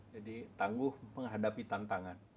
jadi tangguh menghadapi tantangan